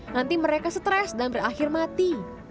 nanti mereka stres dan berakhir mati